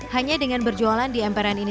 hanya dengan berjualan di emperan ini